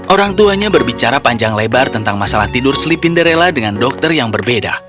orang tuanya berbicara panjang lebar tentang masalah tidur slipinderella dengan dokter yang berbeda